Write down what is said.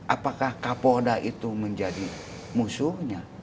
apakah kapolda itu menjadi musuhnya